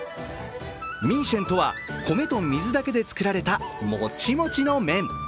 ミーシェンとは、米と水だけで作られたモチモチの麺。